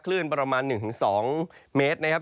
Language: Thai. คลื่นประมาณ๑๒เมตรนะครับ